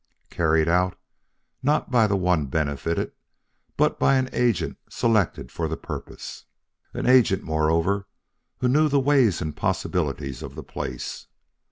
"Carried out, not by the one benefited, but by an agent selected for the purpose." "An agent, moreover, who knew the ways and possibilities of the place."